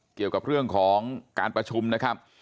เกี่ยวกับเรื่องของการประชุมนะครับ